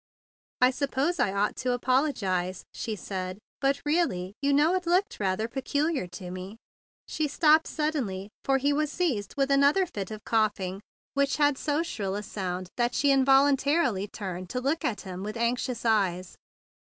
"I suppose I ought to apologize," she said. "But really, you know, it looked rather peculiar to me—" She stopped suddenly, for he was seized with another fit of coughing, which had so shrill a sound that she involuntarily turned to look at him with anxious eyes.